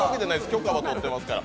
許可は取ってますから。